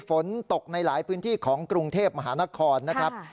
ฝนตกในหลายพื้นที่ของกรุงเทพมหานครนะครับ